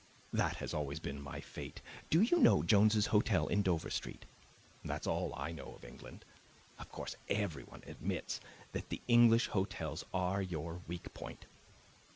That has always been my fate. Do you know Jones's Hotel in Dover Street? That's all I know of England. Of course everyone admits that the English hotels are your weak point.